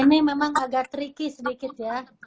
ini memang agak tricky sedikit ya